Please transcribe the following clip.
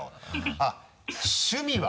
あっ趣味は？